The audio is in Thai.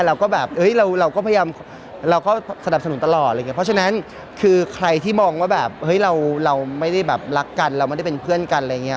เราก็แบบเราก็พยายามเราก็สนับสนุนตลอดอะไรอย่างเงี้เพราะฉะนั้นคือใครที่มองว่าแบบเฮ้ยเราไม่ได้แบบรักกันเราไม่ได้เป็นเพื่อนกันอะไรอย่างเงี้